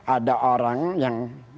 ada orang yang